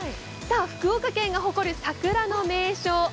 さあ、福岡県が誇る桜の名所